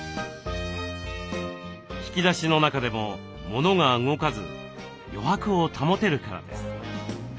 引き出しの中でもモノが動かず余白を保てるからです。